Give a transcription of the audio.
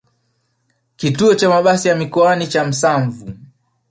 kituo cha mabasi ya mikoani cha Msanvu